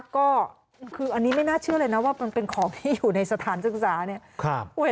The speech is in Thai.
ก็คืออันนี้ไม่น่าเชื่อเลยนะว่ามันเป็นของที่อยู่ในสถานศึกษาเนี่ย